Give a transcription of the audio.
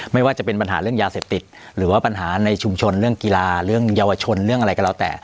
ไม่ว่าจะเป็นปัญหาเรื่องยาเสพติดหรือว่าปัญหาในชุมชนเรื่องกีฬาเรื่องเยาวชนเรื่องอะไรก็แล้วแต่